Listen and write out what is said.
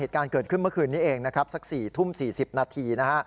เหตุการณ์เกิดขึ้นเมื่อคืนนี้เองนะครับสัก๔ทุ่ม๔๐นาทีนะฮะ